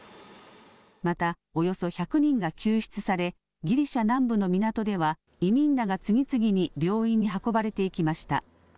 また、およそ１００人が救出されギリシャ南部の港では移民らが次々に病院に運ばれていきました。